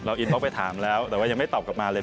อินโทรไปถามแล้วแต่ว่ายังไม่ตอบกลับมาเลย